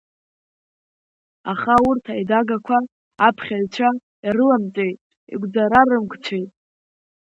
Аха урҭ аиҭагақәа аԥхьаҩцәа ирыламҵәеит, игәцарарымкцәеит.